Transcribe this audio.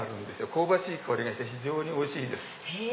香ばしい香りがして非常においしいです。